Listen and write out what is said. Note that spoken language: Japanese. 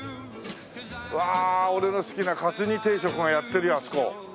うわあ俺の好きなかつ煮定食がやってるよあそこ。